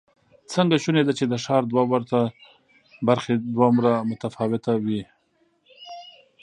څنګه شونې ده چې د ښار دوه ورته برخې دومره متفاوتې وي؟